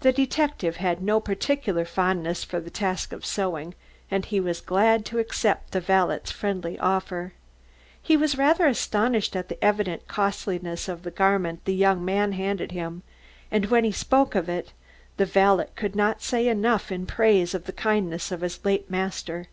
The detective had no particular fondness for the task of sewing, and he was glad to accept the valet's friendly offering. He was rather astonished at the evident costliness of the garment the young man handed him, and when he spoke of it, the valet could not say enough in praise of the kindness of his late master.